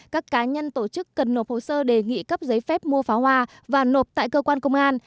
các cá nhân tổ chức cần nộp hồ sơ đề nghị cấp giấy phép mua pháo hoa và nộp tại cơ quan công an